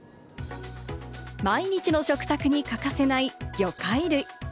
毎日の食卓に欠かせない魚介類。